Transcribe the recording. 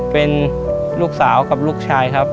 เป็นลูกสาวกับลูกชายครับ